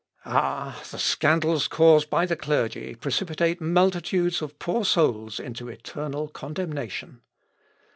Ah! the scandals caused by the clergy precipitate multitudes of poor souls into eternal condemnation!